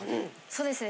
そうですね。